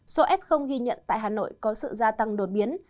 số f ghi nhận tại hà nội có sự gia tăng đột biến